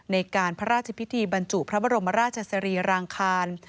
ในการพระราชพิธีบรรจุพระบรมราชสรีรางคาร